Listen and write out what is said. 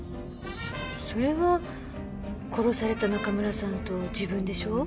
それは殺された中村さんと自分でしょ？